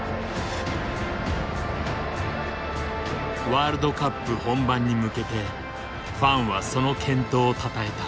ワールドカップ本番に向けてファンはその健闘をたたえた。